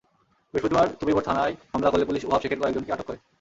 বৃহস্পতিবার তবিবর থানায় মামলা করলে পুলিশ ওহাব শেখের কয়েকজনকে আটক করে।